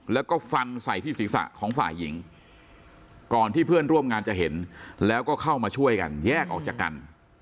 แล้วก็ฟันใส่ที่ศีรษะของฝ่ายหญิงก่อนที่เพื่อนร่วมงานจะเห็นแล้วก็เข้ามาช่วยกันแยกออกจากกัน